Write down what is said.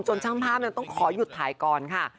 ช่างภาพต้องขอหยุดถ่ายก่อนค่ะ